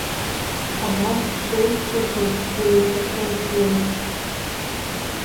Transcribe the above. Абас сшеикәҵәашоз илеихашәа ихәлеит.